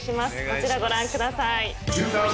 こちらご覧ください。